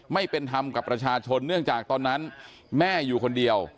ไม่เป็นธรรมกับประชาชนเนื่องจากตอนนั้นแม่อยู่คนเดียว